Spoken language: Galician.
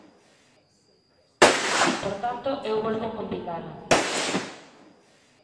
Por tanto, eu volvo convidala.